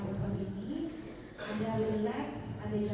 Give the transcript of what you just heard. bu aisyah di hotel mulia